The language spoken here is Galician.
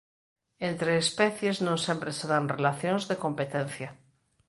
Entre especies non sempre se dan relacións de competencia.